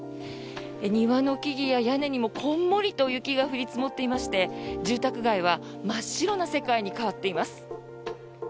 庭の木々や屋根にも、こんもりと雪が降り積もっていまして住宅街は真っ白な世界に変わっています。